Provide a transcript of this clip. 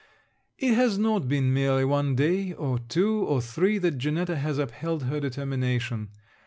It has not been merely one day, or two, or three, that Janetta has upheld her determination.